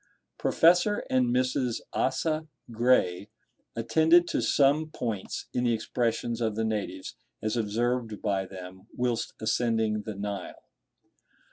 Professor and Mrs. Asa Gray attended to some points in the expressions of the natives, as observed by them whilst ascending the Nile.